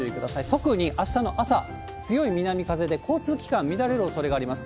特にあしたの朝、強い南風で、交通機関乱れるおそれがあります。